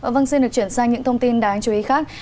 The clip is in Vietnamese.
vâng xin được chuyển sang những thông tin đáng chú ý khác